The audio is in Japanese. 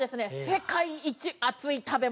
世界一熱い食べ物です。